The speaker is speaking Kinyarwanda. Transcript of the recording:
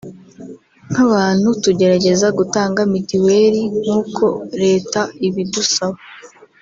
“Nk’abantu tugerageza gutanga mitiweli nk’uko Leta ibidusaba